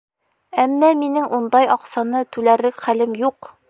Әммә минең ундай аҡсаны түләрлек хәлем юҡ!